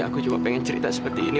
aku cuma pengen cerita seperti ini